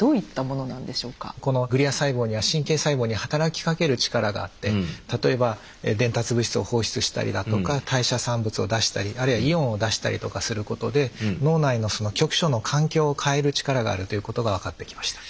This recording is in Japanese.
このグリア細胞には神経細胞に働きかける力があって例えば伝達物質を放出したりだとか代謝産物を出したりあるいはイオンを出したりとかすることで脳内の局所の環境を変える力があるということが分かってきました。